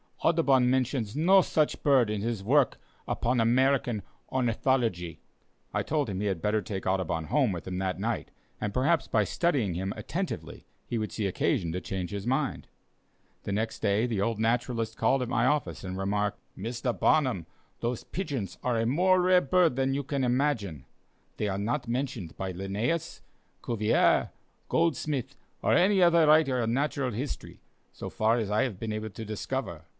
Audubon mentions no such bird in his work upon American Ornithology." I told him he had better take Audubon home with him that night, and perhaps by studying him attentively he would see occasion to change his mind. The next day, the old naturalist called at my office and remarked: "Mr. Barnum, those pigeons are a more rare bird than you imagine. They are not mentioned by Linnæus, Cuvier, Goldsmith, or any other writer on natural history, so far as I have been able to discover.